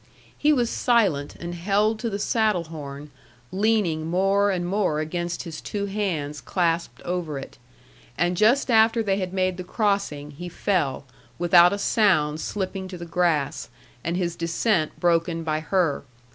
He was silent, and held to the saddle horn, leaning more and more against his two hands clasped over it; and just after they had made the crossing he fell, without a sound slipping to the grass, and his descent broken by her.